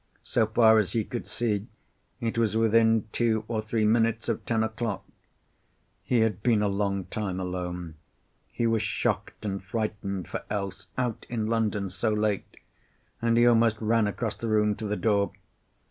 So far as he could see, it was within two or three minutes of ten o'clock. He had been a long time alone. He was shocked, and frightened for Else, out in London, so late, and he almost ran across the room to the door.